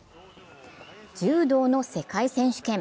柔道の世界選手権。